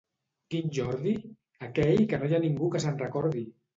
—Quin Jordi? —Aquell que no hi ha ningú que se'n recordi!